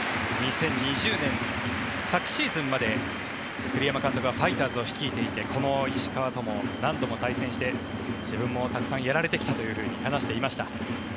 ２０２０年昨シーズンまで栗山監督がファイターズを率いていてこの石川とも何度も対戦して自分もたくさんやられてきたと話していました。